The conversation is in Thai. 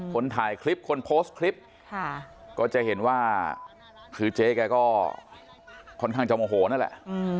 คนถ่ายคลิปคนโพสต์คลิปก็จะเห็นว่าคือเจ๊แกก็ค่อนข้างจะโมโหนั่นแหละ